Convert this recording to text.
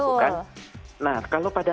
betul nah kalau pada